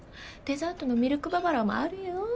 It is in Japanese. デザートのミルクババロアもあるよ？